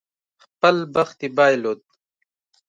خپل بخت یې بایلود.